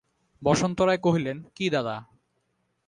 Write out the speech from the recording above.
বসন্ত রায় কহিলেন, কী দাদা।